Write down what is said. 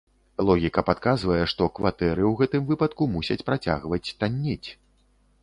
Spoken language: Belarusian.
Логіка падказвае, што кватэры ў гэтым выпадку мусяць працягваць таннець.